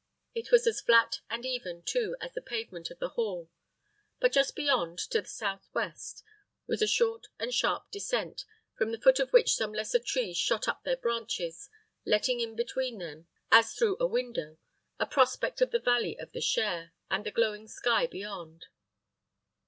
It was as flat and even, too, as the pavement of the hall; but just beyond, to the southwest, was a short and sharp descent, from the foot of which some lesser trees shot up their branches, letting in between them, as through a window, a prospect of the valley of the Cher, and the glowing sky beyond.